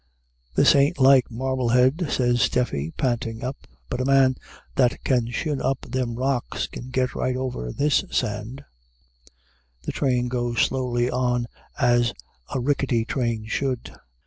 "This a'n't like Marblehead," says Stephe, panting up; "but a man that can shin up them rocks can git right over this sand." The train goes slowly on, as a rickety train should.